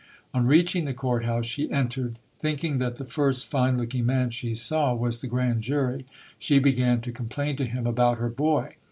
On reaching the court house, she entered. Thinking that the first fine looking man she saw was the grand jury, she began to complain to him about her boy.